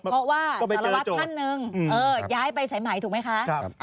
เพราะว่าสารวัตรท่านหนึ่งย้ายไปสายไหมถูกไหมคะ